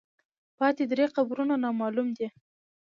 پاتې درې قبرونه نامعلوم دي.